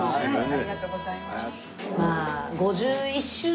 ありがとうございます。